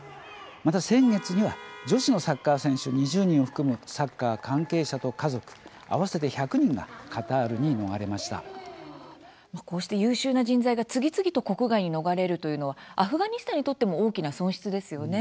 また先月には女子のサッカー選手２０人を含むサッカーの関係者、家族合わせてこうして優秀な人材が次々に国外に逃れるというのはアフガニスタンにとっても大きな損失ですよね。